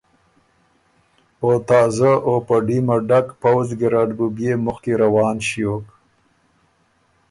او تازۀ او په ډیمه ډک پؤځ ګیرډ بُو بيې مخکی روان ݭیوک